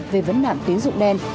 về vấn đảm tuyến dụng đen